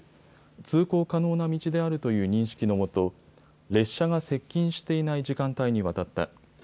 通行可能な道であるという認識のもと、列車が接近していない時間帯に渡った。